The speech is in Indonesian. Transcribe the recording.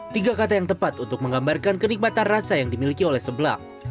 tiga kata yang tepat untuk menggambarkan kenikmatan rasa yang dimiliki oleh seblak